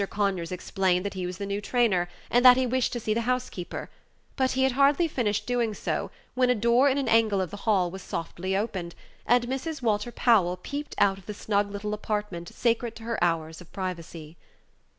Conyers explained that he was the new trainer, and that he wished to see the housekeeper; but he had hardly finished doing so when a door in an angle of the hall was softly opened, and Mrs. Walter Powell peeped out of the snug little apartment sacred to her hours of privacy.